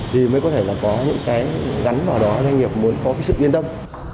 thì mới có thể là có những cái gắn vào đó doanh nghiệp muốn có cái sự yên tâm